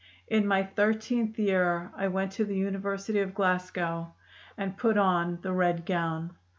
In my thirteenth year I went to the University of Glasgow, and put on the red gown.